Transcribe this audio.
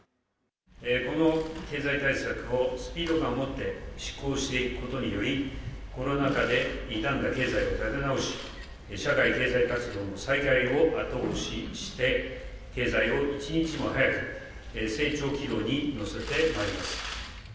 この経済対策をスピード感を持って執行していくことにより、コロナ禍で傷んだ経済を立て直し、社会経済活動の再開を後押しして、経済を一日も早く成長軌道に乗せてまいります。